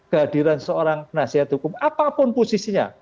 kehadiran seorang penasihat hukum apapun posisinya